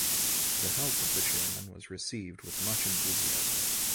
The health of the Chairman was received with much enthusiasm.